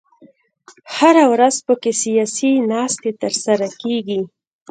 هره ورځ په کې سیاسي ناستې تر سره کېږي.